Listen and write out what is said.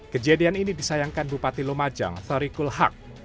kejadian ini disayangkan bupati lumajang thorikul hak